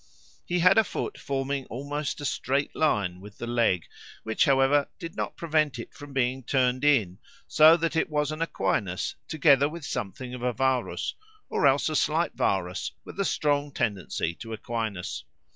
He had a foot forming almost a straight line with the leg, which, however, did not prevent it from being turned in, so that it was an equinus together with something of a varus, or else a slight varus with a strong tendency to equinus.